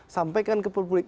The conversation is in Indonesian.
sampai kan ke publik